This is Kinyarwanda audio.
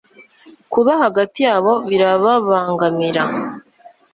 kuba hagati yabo birababangamira